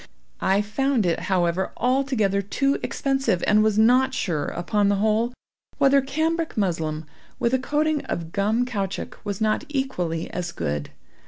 I found it, however, altogether too expensive, and was not sure, upon the whole, whether cambric muslin with a coating of gum caoutchouc, was not equally as good.